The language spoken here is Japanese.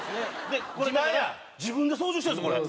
これだから自分で操縦してるんですこれ。